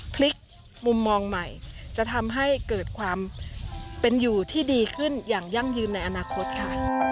พลิกมุมมองใหม่จะทำให้เกิดความเป็นอยู่ที่ดีขึ้นอย่างยั่งยืนในอนาคตค่ะ